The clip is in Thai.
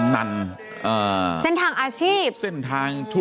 แฮปปี้เบิร์สเจทู